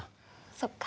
そっか。